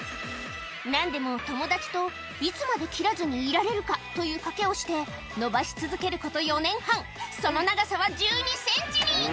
何でも友達といつまで切らずにいられるかという賭けをして伸ばし続けること４年半その長さは１２ｃｍに！